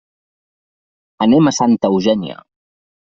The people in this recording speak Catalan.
Anem a Santa Eugènia.